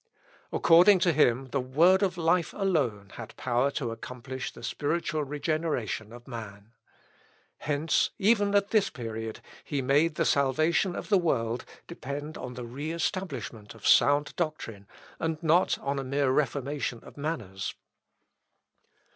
According to him the word of life alone had power to accomplish the spiritual regeneration of man. Hence, even at this period, he made the salvation of the world depend on the re establishment of sound doctrine, and not on a mere reformation of manners.